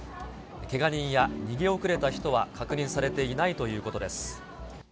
けが人や逃げ遅れた人は確認されていないということです。